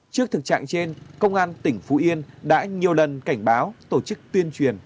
trước thực trạng trên công an tỉnh phú yên đã nhiều lần cảnh báo tổ chức tuyên truyền